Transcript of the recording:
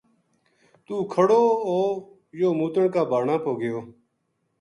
توہ کھَڑو ہویوہ موتن کا بہانا پو گیو